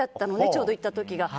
ちょうど行った時が。